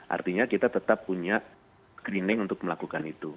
artinya kita tetap punya screening untuk melakukan itu